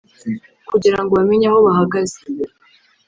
kugirango bamenye aho bahagaze